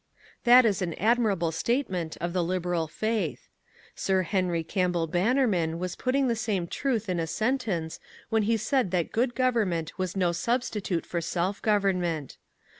That is an admirable statement of the Liberal faith. Sir Henry Campbell Bannerman was putting the same truth in a sentence when he said that good government was no substitute for self government.